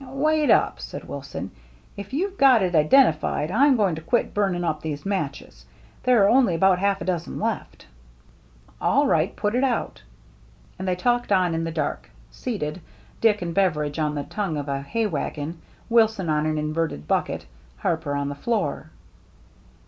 " Wait up," said Wilson. " If you've got it identified, I'm going to quit burning up these matches. There are only about half a dozen left." " All right. Put it out." And they talked on in the dark, seated, Dick and Beveridge on the tongue of a hay wagon, Wilson on an in verted bucket. Harper on the floor.